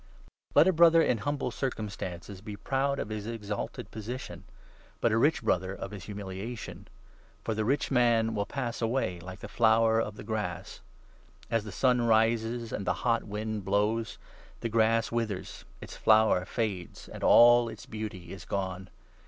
Let a Brother in humble circumstances be 9 proud of his exalted position, but a rich Brother of Wp^^ert"ld humiliation ; for the rich man will pass away 10 ' like the flower of the grass.' As the sun rises, n and the hot wind blows, ' the grass withers, its flower fades,' and all its beauty is gone.